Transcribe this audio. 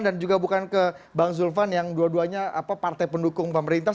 dan juga bukan ke bang zulfan yang dua duanya partai pendukung pemerintah